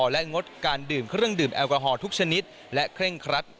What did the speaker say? และงดการดื่มเครื่องดื่มแอลกอฮอลทุกชนิดและเคร่งครัด